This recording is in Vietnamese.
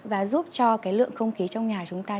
và giúp cho cái lượng không khí trong nhà chúng ta